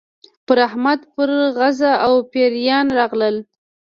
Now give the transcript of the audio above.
پر احمد پرغز او پېریان راغلل.